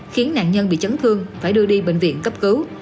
khiến nạn nhân bị chấn thương phải đưa đi bệnh viện cấp cứu